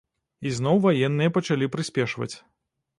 І зноў ваенныя пачалі прыспешваць.